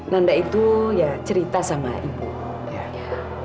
nanda itu ya cerita sama ibu